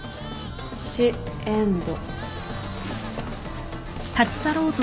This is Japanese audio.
ジエンド。